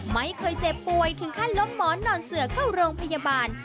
ไม่เคยเจ็บป่วยถึงขั้นล้มหมอนนอนเสือเข้าโรงพยาบาล